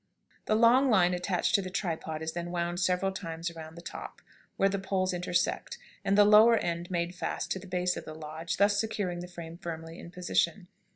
] The long line attached to the tripod is then wound several times around the top, where the poles intersect, and the lower end made fast at the base of the lodge, thus securing the frame firmly in its position.